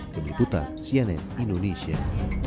kemilputan sianet indonesia